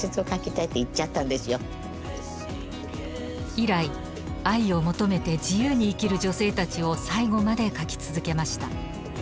以来愛を求めて自由に生きる女性たちを最期まで書き続けました。